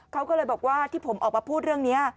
เขาก็เลยบอกว่าที่ผมออกมาพูดเรื่องนี้